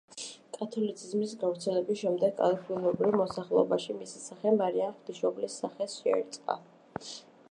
კათოლიციზმის გავრცელების შემდეგ ადგილობრივ მოსახლეობაში მისი სახე მარიამ ღვთისმშობელის სახეს შეერწყა.